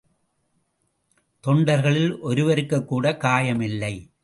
தொண்டர்களில் ஒருவருக்குக் கூடக் காயமில்லை.